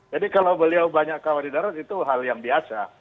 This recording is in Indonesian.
jadi kalau beliau banyak kawan di darat itu hal yang biasa